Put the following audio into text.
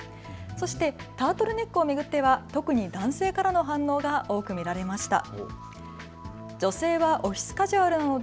タートルネックを巡っては特に男性からの反応も多く見られました。